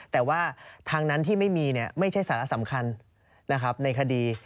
แต่ว่าทางนั้นที่ไม่มีไม่ใช่สาระสำคัญนะครับในคดี